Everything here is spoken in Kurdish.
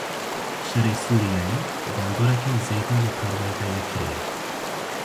Şerê Sûriyeyê bandoreke zêde li perwerdeyê kiriye.